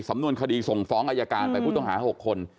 สำนวนคดีส่งฟ้องอายการไปผู้ต้องหา๖คน